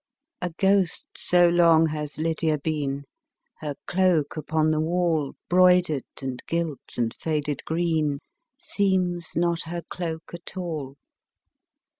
A ghost so long has Lydia been, Her cloak upon the wall, Broidered, and gilt, and faded green, Seems not her cloak at all.